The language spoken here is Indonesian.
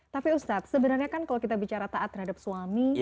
tapi ustadz sebenarnya kan kalau kita bicara taat terhadap suami